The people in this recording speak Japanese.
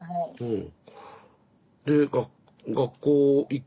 うん。